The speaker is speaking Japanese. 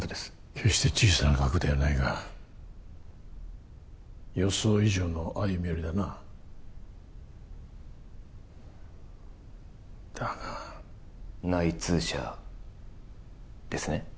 決して小さな額ではないが予想以上の歩み寄りだなだが内通者ですね？